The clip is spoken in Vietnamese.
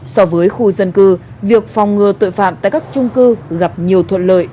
so với khu dân cư việc phòng ngừa tội phạm tại các trung cư gặp nhiều thuận lợi